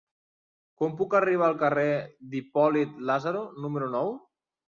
Com puc arribar al carrer d'Hipòlit Lázaro número nou?